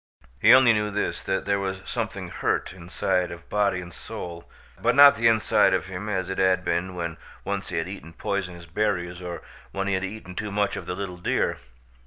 He only knew this, that there was something hurt his inside of body and soul, but not the inside of him as it had been when once he had eaten poisonous berries or when he had eaten too much of the little deer.